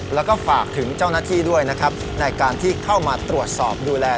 แล้วก็ฝากถึงเจ้าหน้าที่ด้วยนะครับในการที่เข้ามาตรวจสอบดูแล